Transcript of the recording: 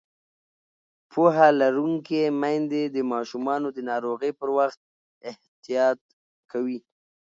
پوهه لرونکې میندې د ماشومانو د ناروغۍ پر وخت احتیاط کوي.